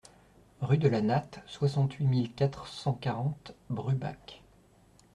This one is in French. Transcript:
Rue de la Natte, soixante-huit mille quatre cent quarante Bruebach